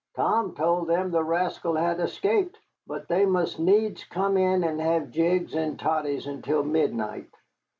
Tom told them the rascal had escaped, but they must needs come in and have jigs and toddies until midnight.